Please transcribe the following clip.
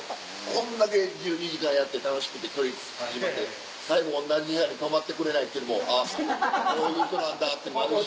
こんだけ１２時間やって楽しくて距離縮まって最後同じ部屋に泊まってくれないっていうのもこういう人なんだってのもあるし。